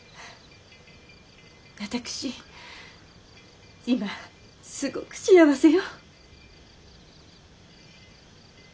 私今すごく幸せよ。